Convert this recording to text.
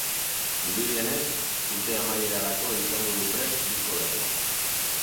Dirudienez, urte amaierarako izango du prest disko berria.